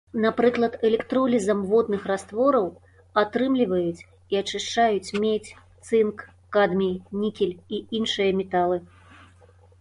Напрыклад, электролізам водных раствораў атрымліваюць і ачышчаюць медзь, цынк, кадмій, нікель і іншыя металы.